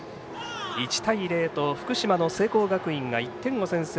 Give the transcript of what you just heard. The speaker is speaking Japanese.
１対０と福島の聖光学院が１点を先制。